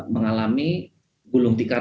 mengalami gulung tikar